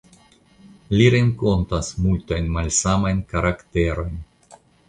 Li renkontas multajn malsamajn karakterojn.